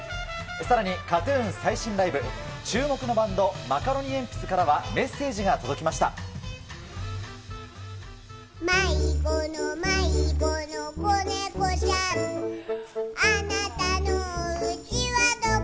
さらに、ＫＡＴーＴＵＮ最新ライブ、注目のバンド、マカロニえんぴつからはメッセージが届きました。